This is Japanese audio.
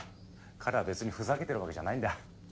彼は別にふざけてるわけじゃないんだ。